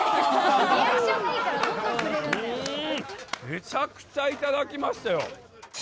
めちゃくちゃいただきましたよ